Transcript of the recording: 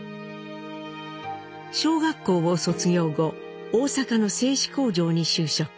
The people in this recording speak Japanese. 小学校を卒業後大阪の製糸工場に就職。